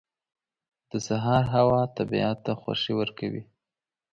• د سهار هوا طبیعت ته خوښي ورکوي.